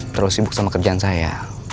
terus sibuk sama kerjaan saya